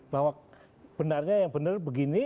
bahwa benarnya yang benar begini